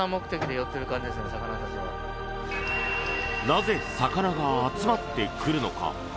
なぜ魚が集まってくるのか？